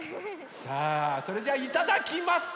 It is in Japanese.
さあそれじゃあいただきます。